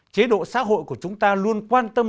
chế độ xã hội của chúng ta luôn quan tâm